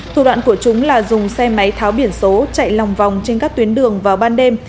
thủ đoạn của chúng là dùng xe máy tháo biển số chạy lòng vòng trên các tuyến đường vào ban đêm